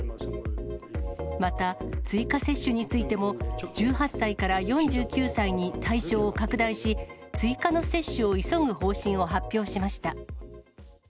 また追加接種についても、１８歳から４９歳に対象を拡大し、追加の接種を急ぐ方針を発表しました。